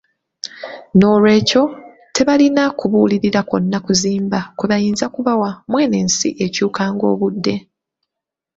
N'olwekyo tebalina kubuulirira kwonna kuzimba kwebayinza kubawa mu eno ensi ekyuka ng'obudde.